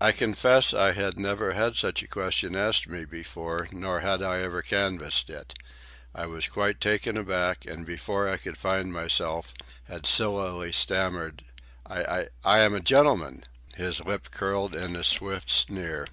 I confess I had never had such a question asked me before, nor had I ever canvassed it. I was quite taken aback, and before I could find myself had sillily stammered, "I—I am a gentleman." His lip curled in a swift sneer.